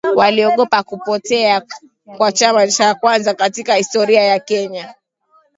waliogopa kupotea kwa chama cha kwanza katika historia ya Kenya